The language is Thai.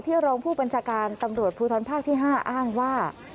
ที่ยอรองผู้บรรจาการตำรวจภูทัลภาคที่๕อ้างว่า